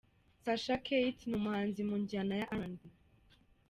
Sacha Kat: ni umuhanzi mu njyana ya RnB.